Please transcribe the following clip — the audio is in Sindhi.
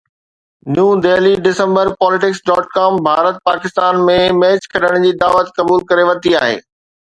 New Delhi December Politics.com Bharat Pakistan ۾ match کيڏڻ جي دعوت قبول ڪري ورتي آهي